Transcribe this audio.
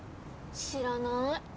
知らない。